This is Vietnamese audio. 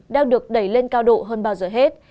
đang được đẩy lên cao độ hơn bao giờ hết